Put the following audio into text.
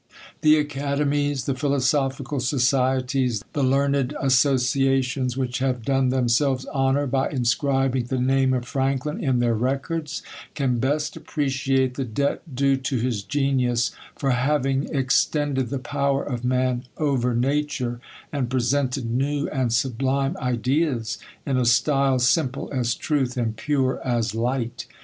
, The academies, the philosophical societies, the learn ed associations which have done themselves honor by in scribing the name of Franklin in their records, can best appreciate the debt due to his genius, for haying ex tended the power of man over nature, and presented new and sublime ideas, in a style simple as truth, and pure as light.